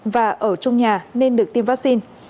và ở chung nhà nên được tiêm vaccine